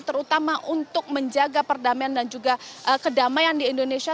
terutama untuk menjaga perdamaian dan juga kedamaian di indonesia